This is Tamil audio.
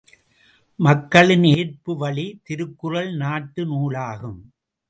மக்களின் ஏற்பு வழி திருக்குறள் நாட்டு நூலாகும்.